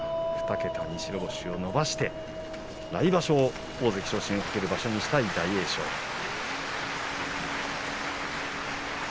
２桁に白星を伸ばして来場所、大関昇進を懸ける場所にしたい大栄翔です。